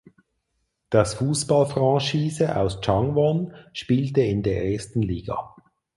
Das Fußballfranchise aus Changwon spielte in der ersten Liga.